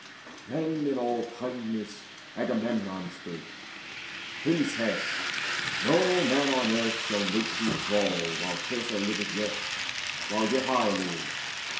Then in all kindness Agamemnon spake: "Princess, no man on earth shall make thee thrall, While Teucer liveth yet, while yet I live.